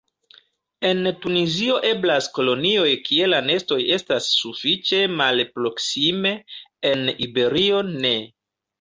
En Tunizio eblas kolonioj kie la nestoj estas sufiĉe malproksime; en Iberio ne.